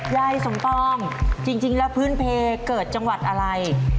ยายสมปองจริงแล้วพื้นเพลเกิดจังหวัดอะไร